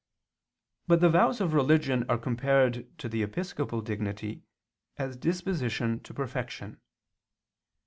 But the vows of religion are compared to the episcopal dignity as disposition to perfection.